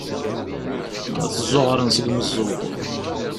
Ad t-zzuɣren seg umeẓẓuɣ.